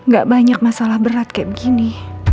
gak banyak masalah berat kayak begini